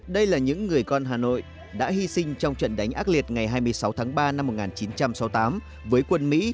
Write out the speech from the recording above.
đây là những người con hà nội đã hy sinh trong trận đánh ác liệt ngày hai mươi sáu tháng ba năm một nghìn chín trăm sáu mươi tám với quân mỹ